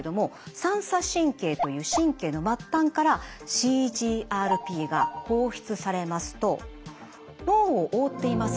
三叉神経という神経の末端からＣＧＲＰが放出されますと脳を覆っています